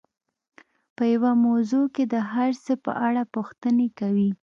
په يوه موضوع کې د هر څه په اړه پوښتنې کوي.